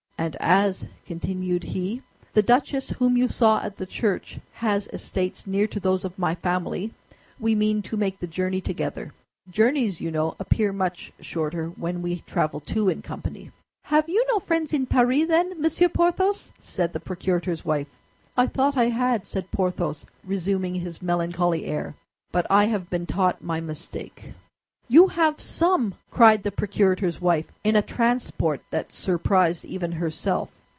"And as," continued he, "the duchess whom you saw at the church has estates near to those of my family, we mean to make the journey together. Journeys, you know, appear much shorter when we travel two in company." "Have you no friends in Paris, then, Monsieur Porthos?" said the procurator's wife. "I thought I had," said Porthos, resuming his melancholy air; "but I have been taught my mistake." "You have some!" cried the procurator's wife, in a transport that surprised even herself.